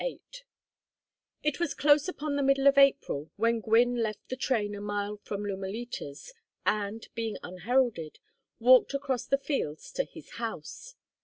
VIII It was close upon the middle of April when Gwynne left the train a mile from Lumalitas, and, being unheralded, walked across the fields to his house.